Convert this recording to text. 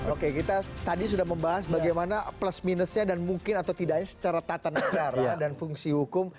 oke kita tadi sudah membahas bagaimana plus minusnya dan mungkin atau tidaknya secara tata negara dan fungsi hukum